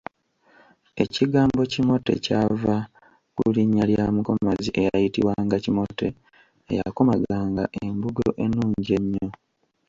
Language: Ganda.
Ekigambo kimote kyava ku linnya lya mukomazi eyayitibwanga Kimote eyakomaganga embugo ennungi ennyo.